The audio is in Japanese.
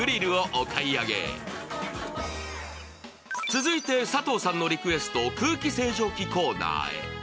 続いて佐藤さんのリクエスト、空気清浄機コーナーへ。